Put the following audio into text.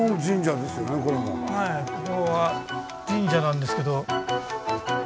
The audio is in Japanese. はいここは神社なんですけど。